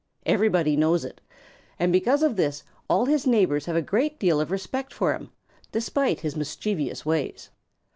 Everybody knows it. And because of this, all his neighbors have a great deal of respect for him, despite his mischievous ways.